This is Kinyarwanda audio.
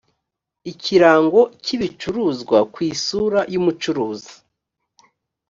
ikirango cy ibicuruzwa ku isura y umucuruzi